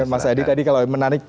mas adi tadi kalau menarik